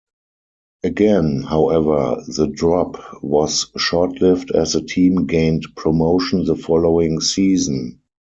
Again, however, the drop was short-lived as the team gained promotion the following season.